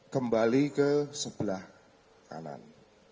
kembali ke sebelah kanan